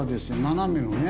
斜めのね。